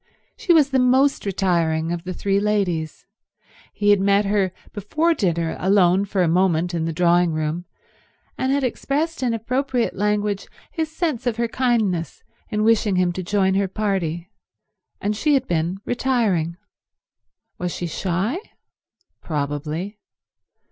She was the most retiring of the three ladies. He had met her before dinner alone for a moment in the drawing room, and had expressed in appropriate language his sense of her kindness in wishing him to join her party, and she had been retiring. Was she shy? Probably.